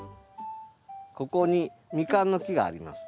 ここにミカンの木があります。